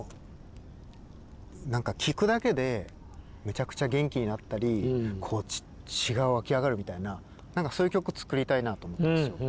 聴くだけでめちゃくちゃ元気になったり血が沸き上がるみたいなそういう曲を作りたいなと思ったんです。